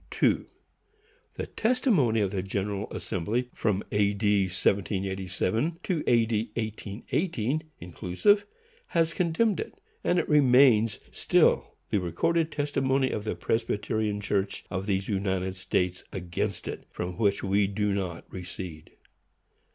2. The testimony of the General Assembly, from A. D. 1787 to A. D. 1818, inclusive, has condemned it; and it remains still the recorded testimony of the Presbyterian Church of these United States against it, from which we do not recede.